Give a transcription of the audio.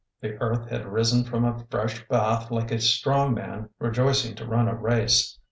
The earth had risen from a fresh bath like a strong man rejoicing to run a race.